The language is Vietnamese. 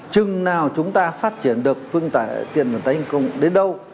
chừng nào chúng ta phát triển được phương tiện vận tải công cộng đến đâu